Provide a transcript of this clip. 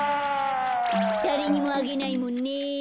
だれにもあげないもんね。